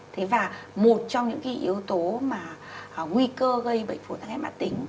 thế và một trong những cái yếu tố mà nguy cơ gây bệnh phổi tác hệ mạng tính